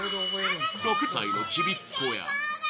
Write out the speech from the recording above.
６歳のちびっ子や